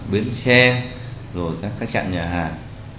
biến xe rồi các trạng nhà hàng